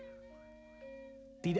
tuhan yang menjaga kita